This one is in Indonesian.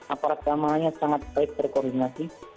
aparat keamanannya sangat baik berkoordinasi